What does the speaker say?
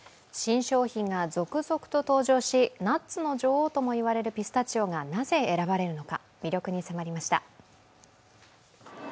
新商品が続々と登場し、ナッツの女王とも言われるピスタチオがなぜ選ばれるのか、魅力に迫りました。